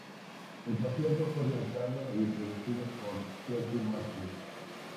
El concierto fue organizado y producido por George Martin.